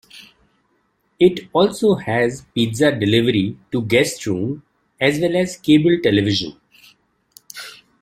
It also has pizza delivery to guests' rooms as well as cable television.